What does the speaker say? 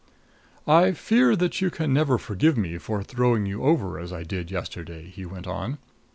"I fear you can never forgive me for throwing you over as I did yesterday," he went on.